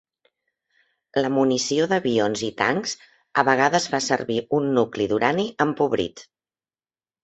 La munició d'avions i tancs a vegades fa servir un nucli d'urani empobrit.